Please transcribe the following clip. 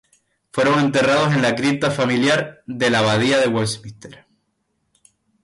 Fueron enterrados en la cripta familia de la abadía de Westminster.